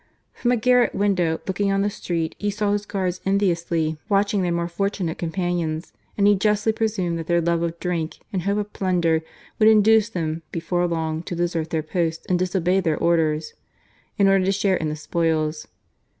From a garret window looking on the street, he saw his guards enviously watching their more fortunate companions, and he justly presumed that their love of drink and hope of plunder would induce them, before long, to desert their post and disobey their orders, in order to share in the spoils.